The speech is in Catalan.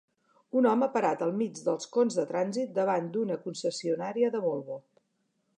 Un home parat al mig dels cons de trànsit davant d'una concessionària de Volvo